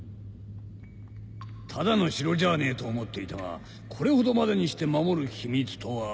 ただの城じゃあねえと思っていたがこれほどまでにして守る秘密とは。